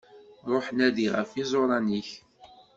Ruḥ nadi ɣef yiẓuran-ik.